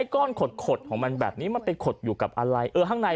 ก้อนขดของมันแบบนี้มันไปขดอยู่กับอะไรเออข้างใน